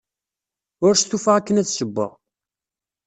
Ur stufaɣ akken ad ssewweɣ.